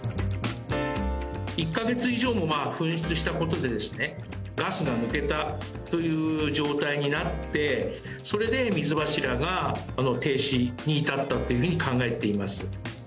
１か月以上も噴出したことでガスが抜けたという状態になってそれで水柱が停止に至ったというふうに考えています。